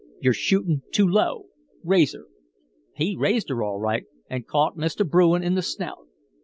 "'You're shootin' too low. Raise her.' "He raised her all right, and caught Mr. Bruin in the snout.